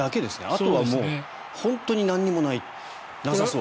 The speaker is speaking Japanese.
あとはもう本当に何もなさそう。